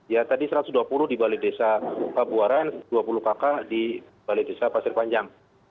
ya tadi satu ratus dua puluh di balai desa kabuaran dua puluh kakak di balai desa pasir panjang